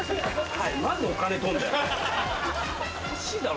何でお金取んだよ